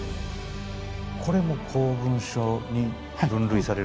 これも公文書に分類されるんですか？